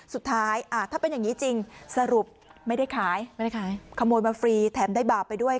สวัสดีครับ